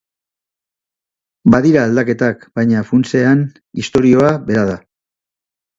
Badira aldaketak baina funtsean istorioa bera da.